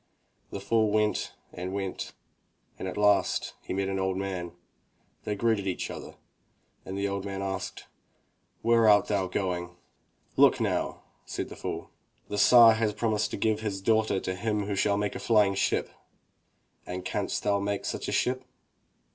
The fool went and went, and at last he met an old man. They greeted each other, and the old man asked, "Where art thou going?" "Look now," said the fool, "the Tsar has promised to give his daughter to him who shall make a flying ship!" "And canst thou make such a ship?"